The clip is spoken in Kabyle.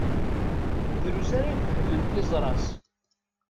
Drus ara ifehmen tiẓra-s.